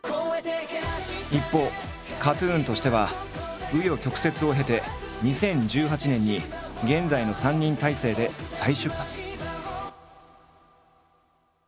一方ＫＡＴ−ＴＵＮとしては紆余曲折を経て２０１８年に現在の３人体制で再出発。